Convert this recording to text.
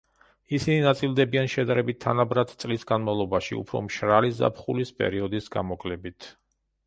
ისინი ნაწილდებიან შედარებით თანაბრად წლის განმავლობაში, უფრო მშრალი ზაფხულის პერიოდის გამოკლებით.